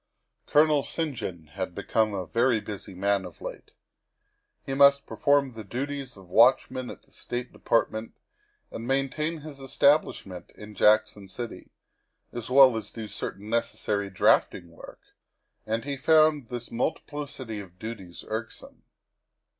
Colonel St. John had become a very busy man of late. He 144 THE WIFE OF must perform the duties of watchman at the State De partment, and maintain his establishment in Jackson City, as well as do certain necessary drafting work, and he found this multiplicity of duties irksome.